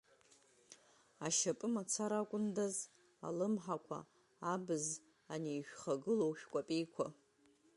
Ашьапы мацара акәындаз, алымҳақәа, абз, ани ишәхагылоу шәкәапеиқәа!